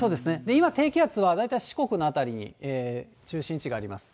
今、低気圧は大体、四国の辺りに中心位置があります。